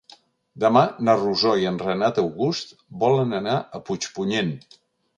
Demà na Rosó i en Renat August volen anar a Puigpunyent.